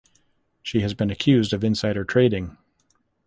She has been accused of insider trading.